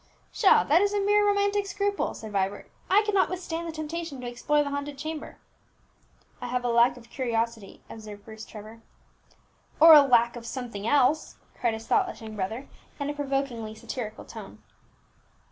"Pshaw! that is a mere romantic scruple," said Vibert. "I could not withstand the temptation to explore the haunted chamber." "I have a lack of curiosity," observed Bruce Trevor. "Or a lack of something else," cried his thoughtless young brother, in a provokingly satirical tone.